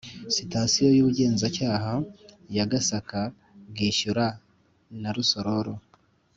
Sitasiyo y Ubugenzacyaha ya Gasaka Bwishyura na Rusororo